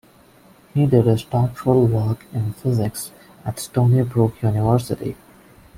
He did his doctoral work in physics at Stony Brook University.